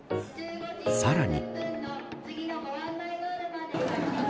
さらに。